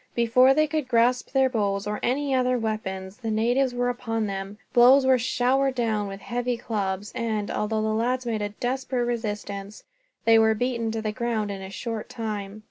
Before they could grasp their bows, or any other weapons, the natives were upon them. Blows were showered down with heavy clubs and, although the lads made a desperate resistance, they were beaten to the ground in a short time.